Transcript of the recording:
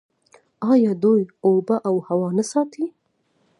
آیا دوی اوبه او هوا نه ساتي؟